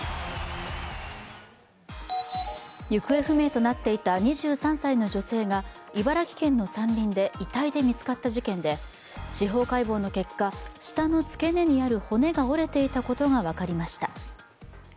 行方不明となっていた２３歳の女性が茨城県の山林で遺体で見つかった事件で司法解剖の結果、舌のつけ根にある骨が折れていたことが分かりました。